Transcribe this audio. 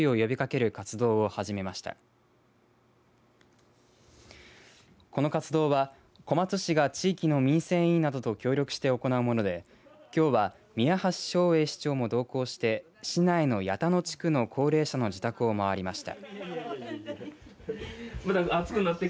この活動は、小松市が地域の民生委員などと協力して行うものできょうは宮橋勝栄市長も同行して市内の矢田野地区の高齢者の自宅を回りました。